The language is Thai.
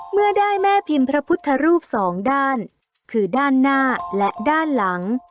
เมื่อได้แม่พิมพ์พระพุทธรูปสองด้านคือด้านหน้าและด้านหลัง